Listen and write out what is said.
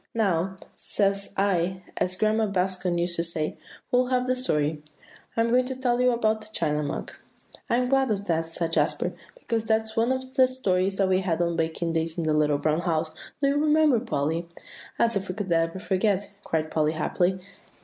"'Now,' says I, as Grandma Bascom used to say, 'we'll have the story.' I'm going to tell you about 'The China Mug.'" "I'm glad of that," said Jasper, "because that was one of the stories we had on a baking day in The Little Brown House, do you remember, Polly?" "As if we could ever forget," cried Polly happily.